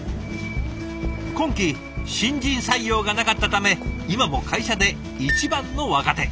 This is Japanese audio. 今期新人採用がなかったため今も会社で一番の若手。